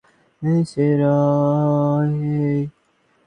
তিনি স্বপ্নের সঠিক ব্যাখ্যা করছেন না।